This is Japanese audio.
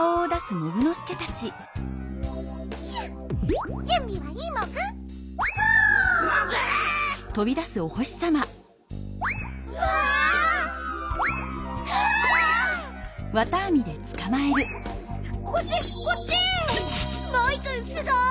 モイくんすごい！